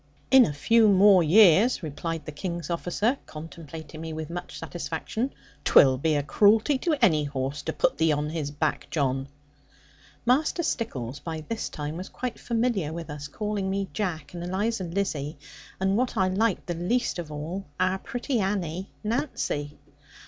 'In a few more years,' replied the King's officer, contemplating me with much satisfaction; ''twill be a cruelty to any horse to put thee on his back, John.' Master Stickles, by this time, was quite familiar with us, calling me 'Jack,' and Eliza 'Lizzie,' and what I liked the least of all, our pretty Annie 'Nancy.'